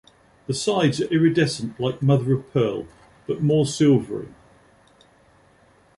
The sides are iridescent like mother-of-pearl, but more silvery.